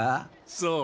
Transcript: そう。